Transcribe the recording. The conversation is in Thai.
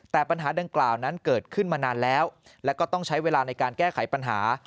แต่ปัญหาดังกล่าวนั้นเกิดขึ้นมานานแล้วแล้วก็ต้องใช้เวลาในการแก้ไขปัญหา